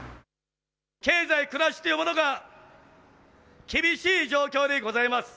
経済、暮らしというものが厳しい状況でございます。